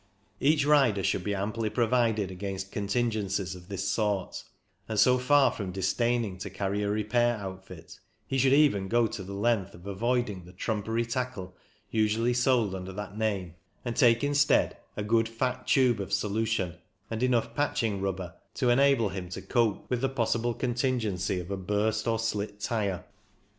Each rider should be amply pro vided against contingencies of this sort, and so far from disdaining to carry a repair outfit, he should even go the length of avoiding the trumpery tackle usually sold under that name, and take instead a good, fat tube of solution, and enough patching rubber to enable him to cope with the possible contingency of a burst or slit tyre.